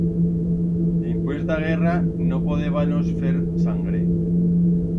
Dimpués d'a guerra, no podébanos fer sangre.